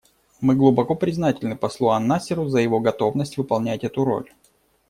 Мы глубоко признательны послу ан-Насеру за его готовность выполнять эту роль.